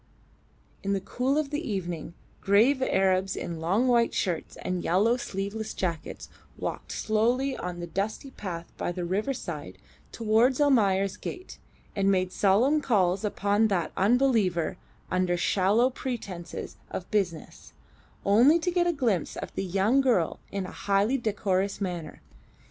In the cool of the evening grave Arabs in long white shirts and yellow sleeveless jackets walked slowly on the dusty path by the riverside towards Almayer's gate, and made solemn calls upon that Unbeliever under shallow pretences of business, only to get a glimpse of the young girl in a highly decorous manner.